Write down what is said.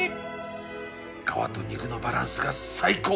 皮と肉のバランスが最高！